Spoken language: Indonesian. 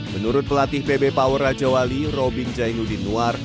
menurut pelatih pb power raja wali robin jainudin noir